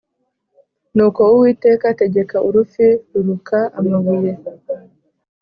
Nuko uwiteka ategeka urufi ruruka amabuye